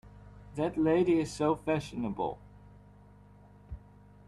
That lady is so fashionable!